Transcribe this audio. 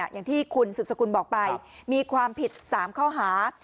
อย่างที่คุณสุบสกุลบอกไปมีความผิด๓ข้อหา